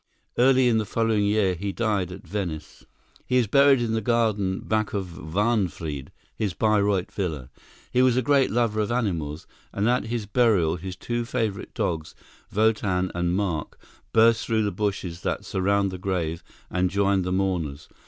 Early in the following year he died at Venice. He is buried in the garden back of Wahnfried, his Bayreuth villa. He was a great lover of animals, and at his burial his two favorite dogs, Wotan and Mark, burst through the bushes that surround the grave and joined the mourners.